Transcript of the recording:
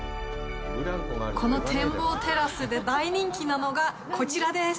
この展望テラスで大人気なのが、こちらです。